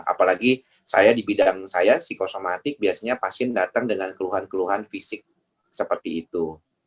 apalagi saya di bidang saya psikosomatik biasanya pasien datang dengan keluhan keluhan fisik seperti itu